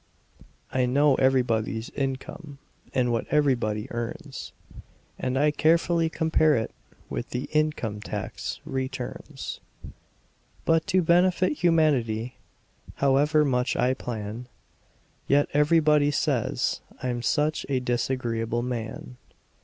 I know everybody's income and what everybody earns, And I carefully compare it with the income tax returns; But to benefit humanity, however much I plan, Yet everybody says I'm such a disagreeable man!